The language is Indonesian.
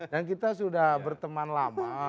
dan kita sudah berteman lama